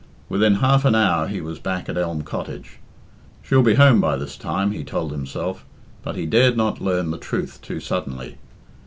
Within half an hour he was back at Elm Cottage. "She'll be home by this time," he told himself, but he dared not learn the truth too suddenly.